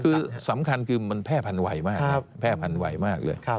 คือสำคัญคือมันแพร่พันวัยมากครับแพร่พันวัยมากเลย